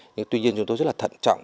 nhưng tuy nhiên chúng tôi rất là thận trọng